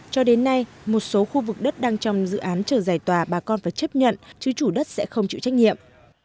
cho đến nay một số khu vực đất đang trong dự án chờ giải tòa bà con phải chấp nhận chứ chủ đất sẽ không chịu trách nhiệm